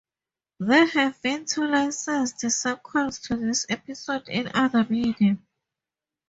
There have been two licensed sequels to this episode in other media.